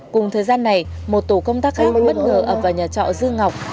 cùng thời gian này một tổ công tác khác bất ngờ ập vào nhà trọ dương ngọc